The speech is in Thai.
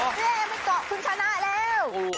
เย้ไม่เกาะคืนชนะแล้ว